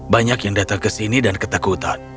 banyak yang datang ke sini dan ketakutan